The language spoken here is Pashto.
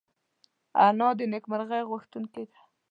انا د نېکمرغۍ غوښتونکې ده